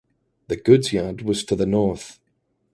The goods yard was to the north.